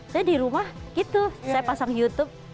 jadi di rumah gitu saya pasang youtube